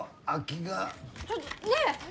ちょっとねえ！